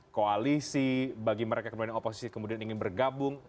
koalisi bagi mereka kemudian oposisi kemudian ingin bergabung